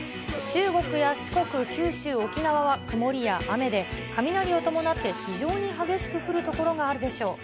中国や四国、九州、沖縄は曇りや雨で、雷を伴って非常に激しく降る所があるでしょう。